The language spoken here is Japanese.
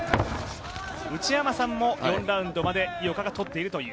内山さんも４ラウンドまで井岡が取っているという。